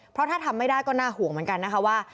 เพราะถ้าทำไม่ได้ก็น่าห่วงเหมือนกันนะคะว่า